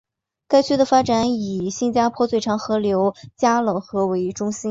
该区的发展以新加坡最长河流加冷河为中心。